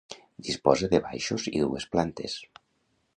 Disposa de baixos i dues plantes.